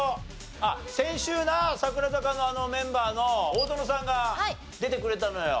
あっ先週な櫻坂のメンバーの大園さんが出てくれたのよ。